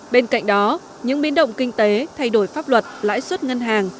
bên cạnh đó những biến động kinh tế thay đổi pháp luật lãi suất ngân hàng